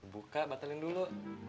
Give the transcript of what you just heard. buka batalin dulu